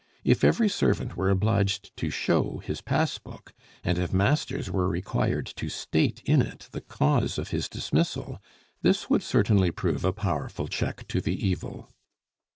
If every servant were obliged to show his pass book, and if masters were required to state in it the cause of his dismissal, this would certainly prove a powerful check to the evil.